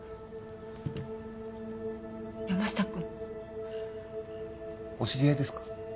山下君お知り合いですか？